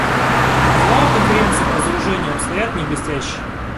Дела у Конференции по разоружению обстоят не блестяще.